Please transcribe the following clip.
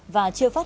và chưa phát hiện